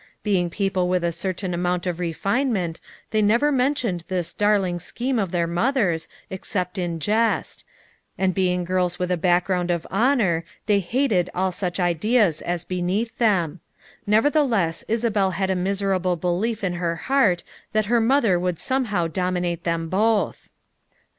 Being people with a certain amount of refine ment they never mentioned this darling scheme of their mother's, except in jest; and being girls with a background of honor they hated all such ideas as beneath them; nevertheless Isabel had a miserable belief in her heart that their mother would somehow dominate them both.